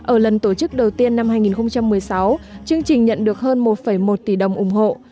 ở lần tổ chức đầu tiên năm hai nghìn một mươi sáu chương trình nhận được hơn một một tỷ đồng ủng hộ